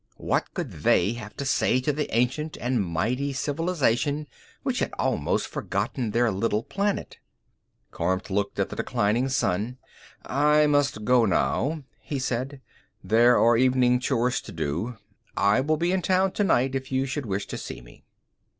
What could they have to say to the ancient and mighty civilization which had almost forgotten their little planet? Kormt looked at the declining sun. "I must go now," he said. "There are the evening chores to do. I will be in town tonight if you should wish to see me."